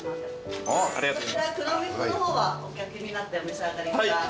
こちら黒蜜の方はお掛けになってお召し上がりください。